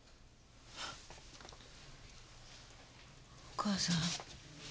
お母さん。